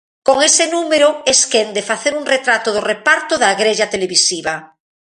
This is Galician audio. Con ese número es quen de facer un retrato do reparto da grella televisiva.